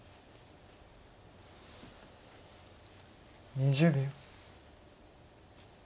２０秒。